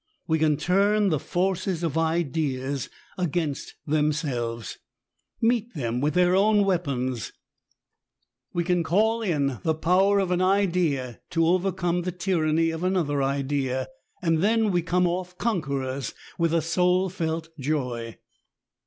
We can turn the forces of ideas against themselves ^meet them with their own weapons. We can call in the I 170 power of an idea to overcome the tyranny of another idea ; and then we come off conquerors^ and with a soul felt joy.